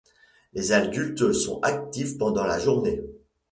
Les adultes sont actifs pendant la journée.